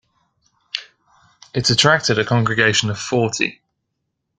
It attracted a congregation of forty.